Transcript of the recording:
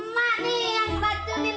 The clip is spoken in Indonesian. mak nih yang racunin burungnya beo